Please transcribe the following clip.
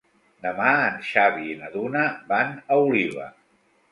Demà en Xavi i na Duna van a Oliva.